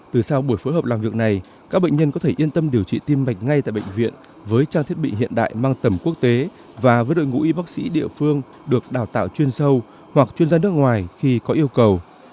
từ sau buổi phối hợp làm việc này các bệnh nhân có thể yên tâm điều trị tim mạch ngay tại bệnh viện với trang thiết bị hiện đại mang tầm quốc tế và với đội ngũ y bác sĩ địa phương được đào tạo chuyên sâu hoặc chuyên gia nước ngoài khi có yêu cầu